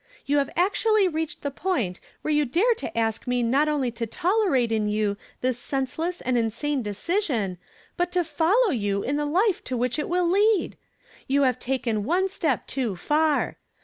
You have actually reached the point whci e you dare to ask me not oidy to tolerate in you this senseless and insane decision, but to follow you in the life to which it will lead! You have taken one step too far.